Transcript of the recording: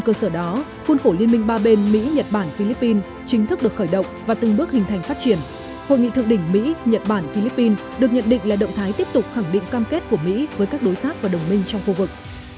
hội nghị thượng đỉnh mỹ nhật bản philippine chính thức được khởi động và từng bước hình thành phát triển hội nghị thượng đỉnh mỹ nhật bản philippine được nhận định là động thái tiếp tục khẳng định cam kết của mỹ với các đối tác và đồng minh trong khu vực